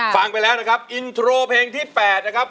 ฟังไปแล้วนะครับอินโทรเพลงที่๘นะครับ